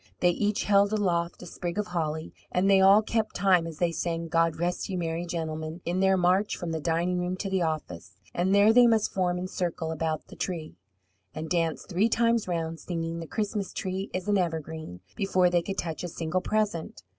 They each held aloft a sprig of holly, and they all kept time as they sang, "God rest you, merry gentlemen," in their march from the dining room to the office. And there they must form in circle about the tree, and dance three times round, singing "The Christmas tree is an evergreen," before they could touch a single present.